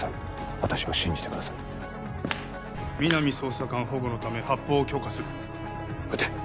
私を信じてください皆実捜査官保護のため発砲を許可する撃て！